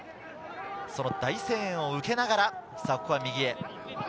その大声援を受けながら右へ。